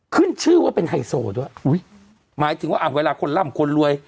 ขึ้นชื่อว่าเป็นไฮโซด้วยอุ้ยหมายถึงว่าอ่ะเวลาคนร่ำคนรวย